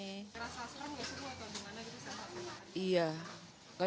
rasa serem gak sih buat di mana mana